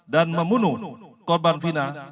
dan membunuh korban fina